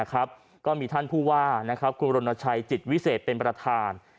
ก็มีท่านผู้ว่าคุณรณชัยจิตวิเศษเป็นประธาน